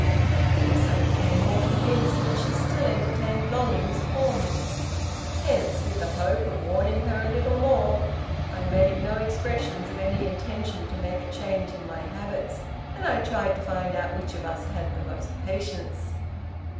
From this I became more convinced that she still entertained longings for me. Hence, with the hope of warning her a little more, I made no expressions of any intention to make a change in my habits, and I tried to find out which of us had the most patience.